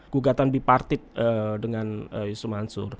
gugatan bipartit dengan yusuf mansur